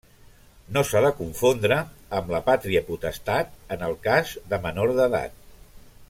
No s'ha de confondre amb la pàtria potestat en el cas de menor d'edat.